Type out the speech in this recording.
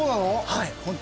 はい。